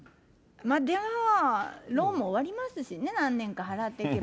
でも、ローンも終わりますしね、何年か払っていけば。